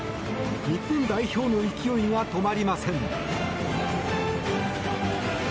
日本代表の勢いが止まりません！